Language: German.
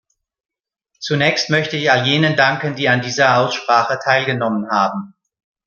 Zunächst möchte ich all jenen danken, die an dieser Aussprache teilgenommen haben.